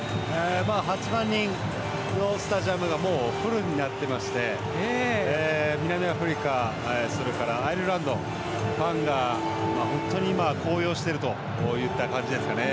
８万人のスタジアムがフルになってまして南アフリカそれからアイルランドファンが本当に高揚しているといった感じですかね。